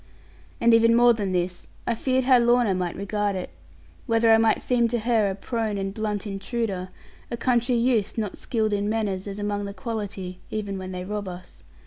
And even more than this. I feared how Lorna might regard it; whether I might seem to her a prone and blunt intruder, a country youth not skilled in manners, as among the quality, even when they rob us.